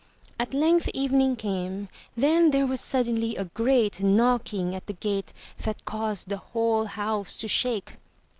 At length evening came, then there was suddenly a great knocking at the gate that caused the whole house to shake.